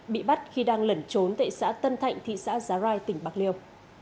bị bắt khi đang lẩn trốn tại xã tân thạnh thị xã giá rai tỉnh bạc liêu